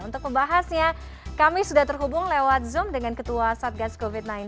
untuk membahasnya kami sudah terhubung lewat zoom dengan ketua satgas covid sembilan belas